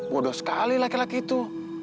bodoh sekali laki laki itu